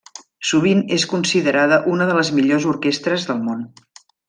Sovint és considerada una de les millors orquestres del món.